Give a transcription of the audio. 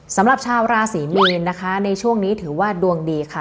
สำหรับชาวราศรีมีนนะคะในช่วงนี้ถือว่าดวงดีค่ะ